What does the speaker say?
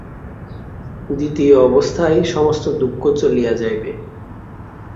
দ্বিতীয় অবস্থায় সমস্ত দুঃখ চলিয়া যাইবে।